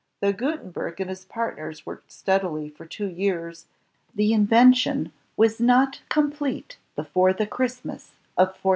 Though Gutenberg and his partners worked steadily for two years, the invention was not complete before the Christmas of 1439.